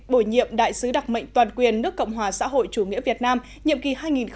bổ nhiệm đại sứ đặc mệnh toàn quyền nước cộng hòa xã hội chủ nghĩa việt nam nhiệm kỳ hai nghìn một mươi sáu hai nghìn hai mươi